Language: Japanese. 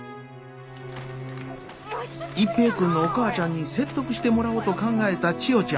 一平君のお母ちゃんに説得してもらおうと考えた千代ちゃん。